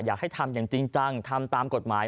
อยากให้ทำอย่างจริงจังทำตามกฎหมาย